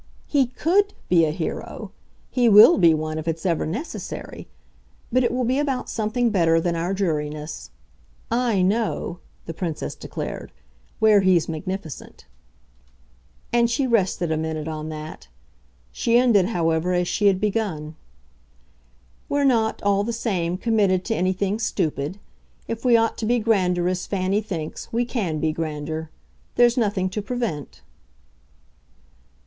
He COULD be a Hero he WILL be one if it's ever necessary. But it will be about something better than our dreariness. I know," the Princess declared, "where he's magnificent." And she rested a minute on that. She ended, however, as she had begun. "We're not, all the same, committed to anything stupid. If we ought to be grander, as Fanny thinks, we CAN be grander. There's nothing to prevent."